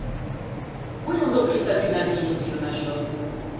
Voyons donc l’état du navire, dit le major.